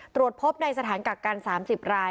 ตรวจพบในสถานกักกัน๓๐ราย